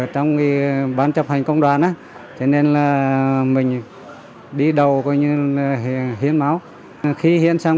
trong đó có những người thuộc nhóm máu hiếm